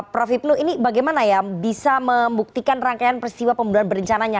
prof hipnu ini bagaimana ya bisa membuktikan rangkaian peristiwa pembunuhan berencananya